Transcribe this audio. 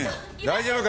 大丈夫？